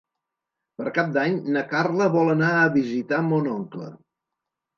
Per Cap d'Any na Carla vol anar a visitar mon oncle.